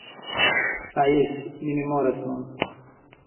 Ha jes! Mi memoras nun: